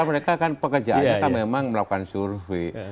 mereka kan pekerjaannya kan memang melakukan survei